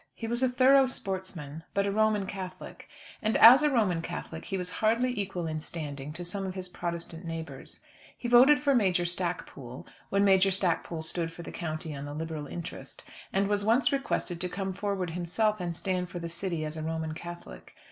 He was a thorough sportsman; but a Roman Catholic and as a Roman Catholic he was hardly equal in standing to some of his Protestant neighbours. He voted for Major Stackpoole, when Major Stackpoole stood for the county on the Liberal interest, and was once requested to come forward himself, and stand for the City as a Roman Catholic.